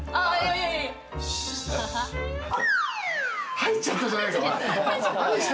入っちゃったじゃない。